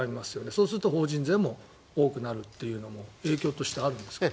そうすると法人税も多くなるというのも影響としてあるんですか。